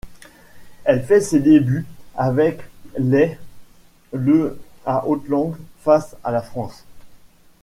Il fait ses débuts avec les ' le à Auckland face à la France.